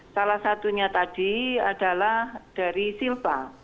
salah satunya tadi adalah dari silpa